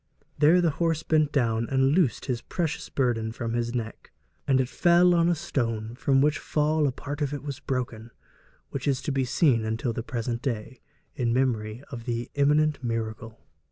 There the horse bent down and loosed his precious burden from his neck, 'and it fell on a stone, from which fall a part of it was broken, which is to be seen until the present day, in memory of the eminent miracle.'